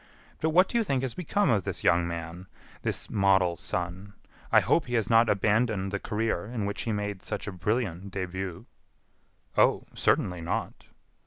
But what do you think has become of this young man, this model son? I hope he has not abandoned the career in which he made such a brilliant début." "Oh! certainly not."